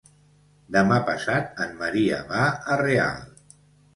Demà passat en Maria va a Real.